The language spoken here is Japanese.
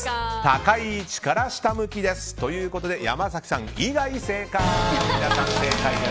高い位置から下向きです。ということで山崎さん以外正解！